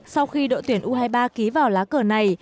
sau khi đội tuyển u hai mươi ba ký vào lá cờ này